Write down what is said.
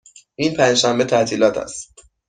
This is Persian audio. این پنج شنبه تعطیلات است.